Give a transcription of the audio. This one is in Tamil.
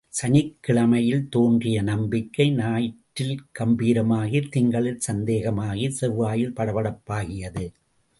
சனிக்கிழமையில் தோன்றிய நம்பிக்கை, ஞாயிறில் கம்பீரமாகி, திங்களில் சந்தேகமாகி, செவ்வாயில் படபடப்பாகியது.